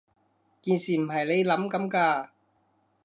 件事唔係你諗噉㗎